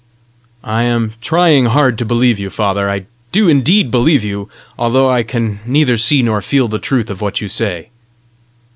"I am trying hard to believe you, father. I do indeed believe you, although I can neither see nor feel the truth of what you say."